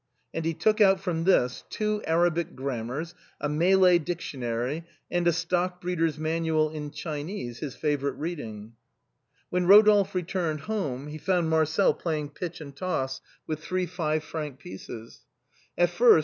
And he took out from this two xA^rabic grammars, a Malay dictionar}', and a Stock breeders' Manual in Chinese, his favorite reading. When Rodolphe returned home he found Marcel play ing pitch and toss with three five franc pieces. At first A CARLOVINGIAN COIN.